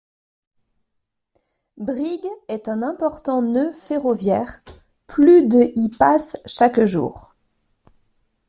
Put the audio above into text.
Brigue est un important nœud ferroviaire, plus de y passent chaque jour.